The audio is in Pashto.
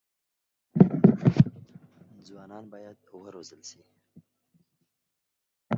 ځوانان بايد وروزل سي.